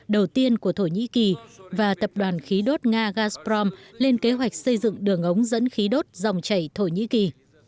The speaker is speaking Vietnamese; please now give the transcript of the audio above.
đầu tiên của thổ nhĩ kỳ và tập đoàn khí đốt nga gazprom lên kế hoạch xây dựng đường ống dẫn khí đốt dòng chảy thổ nhĩ kỳ